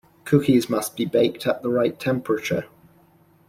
Cookies must be baked at the right temperature.